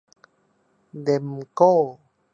เด็มโก้